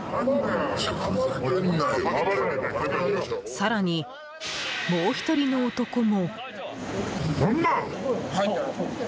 更に、もう１人の男も。